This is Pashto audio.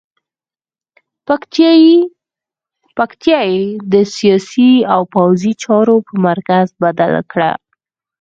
پکتیا یې د سیاسي او پوځي چارو په مرکز بدله کړه.